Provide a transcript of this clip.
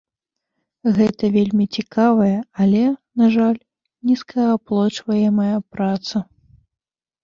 Гэта вельмі цікавая, але, на жаль, нізкааплочваемая праца.